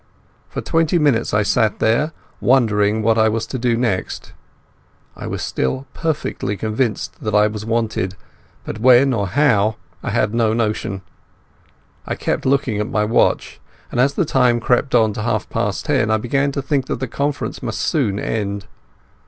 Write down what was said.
For twenty minutes I sat there, wondering what I was to do next. I was still perfectly convinced that I was wanted, but when or how I had no notion. I kept looking at my watch, and as the time crept on to half past ten I began to think that the conference must soon end.